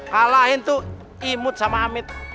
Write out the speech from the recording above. kalahin tuh imut sama hamid